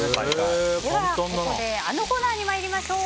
では、ここであのコーナーに行きましょう。